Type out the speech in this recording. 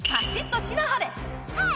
はい！